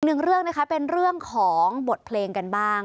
หนึ่งเรื่องนะคะเป็นเรื่องของบทเพลงกันบ้าง